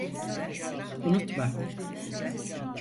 Unutma.